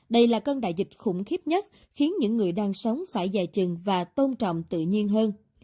đây là cơn đại dịch khủng khiếp nhất khiến những người đang sống phải dài chừng và tôn trọng tự nhiên hơn